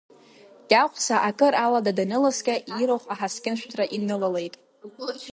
Кьаӷәса, акыр алада даныласкьа, ирахә аҳацкьын шәҭра инылалеит.